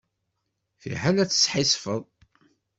Fiḥel ad tesḥissfeḍ.